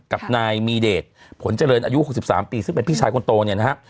กับนายมีเดชผลเจริญอายุ๖๓ปีซึ่งเป็นพี่ชายคนโตเนี่ยนะฮะ